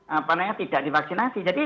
apa namanya tidak divaksinasi jadi